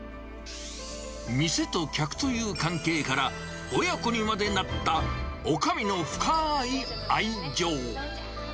店と客という関係から、親子にまでなったおかみの深い愛情。